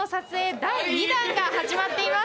第２弾が始まっています。